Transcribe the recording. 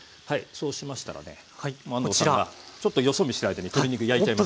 そうしましたらね安藤さんがちょっとよそ見してる間に鶏肉焼いちゃいました。